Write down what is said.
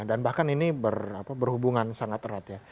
dan bahkan ini berhubungan sangat erat